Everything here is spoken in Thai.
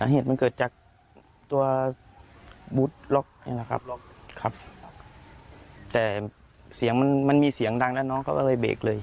เห็นมันเกิดจากตัวบุ๊ดล็อกนี่แหละครับแต่มันมีเสียงดังแล้วน้องก็เลยเบรกเลย